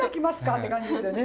って感じですよね。